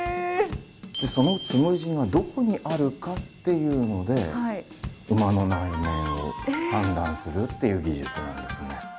そのつむじがどこにあるかっていうので馬の内面を判断するっていう技術なんですね。